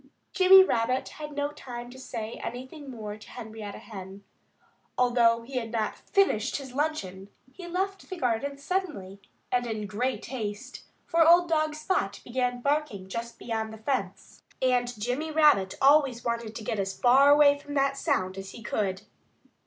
Jimmy Rabbit had no time to say anything more to Henrietta Hen. Although he had not finished his luncheon he left the garden suddenly and in great haste. For old dog Spot began barking just beyond the fence; and Jimmy Rabbit always wanted to get as far from that sound as he could.